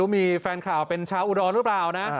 มีแฟนข่าวเป็นชาวอุดรหรือเปล่านะ